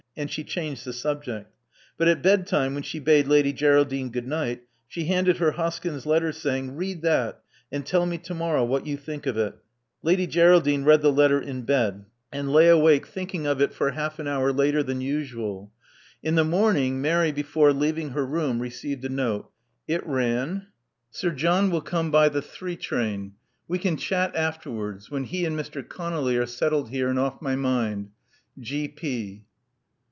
And she changed the subject. But at bedtime, when she bade Lady Geraldine goodnight, she handed her Hoskyn's letter, saying, Read that; and tell me to morrow what you think of it." Lady Geraldine read the letter in bed, and lay 298 Love Among the Artists awake, thinking of it for half an hour later than usual. In the morning, Mary, before leaving her room, received a note. It ran : ''''Sir John will come by the three train. We can chat afterwards — ivhen he and Mr. Conolly are settled here and off my mind. — G, P."